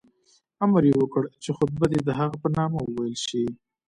امر یې وکړ چې خطبه دې د هغه په نامه وویل شي.